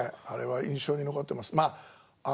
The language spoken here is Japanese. あれは印象に残っています。